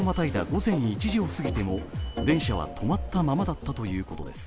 午前１時を過ぎても電車は止まったままだったということです。